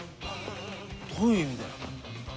どういう意味だよ？